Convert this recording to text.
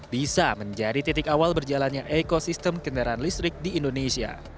bisa menjadi titik awal berjalannya ekosistem kendaraan listrik di indonesia